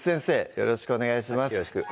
よろしくお願いします